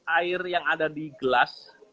air yang ada di gelas